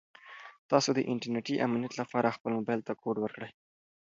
تاسو د انټرنیټي امنیت لپاره خپل موبایل ته کوډ ورکړئ.